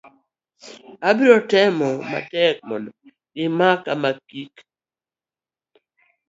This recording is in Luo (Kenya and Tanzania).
abiro timo matek mondo gimakama kik